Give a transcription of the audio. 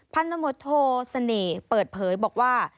พันธมตโทเสน่ห์เปิดเผยบอกว่า